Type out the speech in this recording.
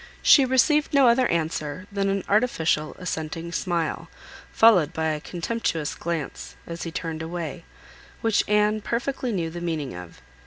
She received no other answer, than an artificial, assenting smile, followed by a contemptuous glance, as he turned away, which Anne perfectly knew the meaning of.